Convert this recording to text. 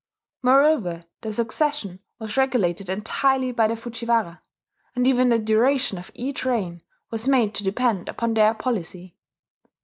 Moreover the succession was regulated entirely by the Fujiwara; and even the duration of each reign was made to depend upon their policy.